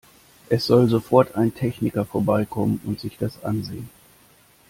Es soll sofort ein Techniker vorbeikommen und sich das ansehen!